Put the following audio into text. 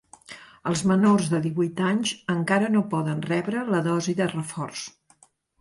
Els menors de divuit anys encara no poden rebre la dosi de reforç.